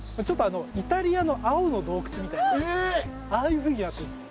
ちょっとイタリアの青の洞窟みたいな。